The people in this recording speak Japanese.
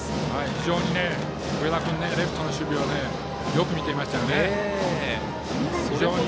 非常に、上田君レフトの守備をよく見ていましたね。